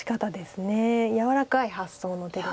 柔らかい発想の手です。